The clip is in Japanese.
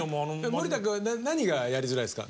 森田くんは何がやりづらいんですか？